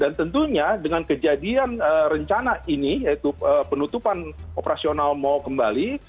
dan tentunya dengan kejadian rencana ini yaitu penutupan operasional mau kembali